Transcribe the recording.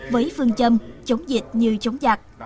với phương châm chống dịch như chống giặc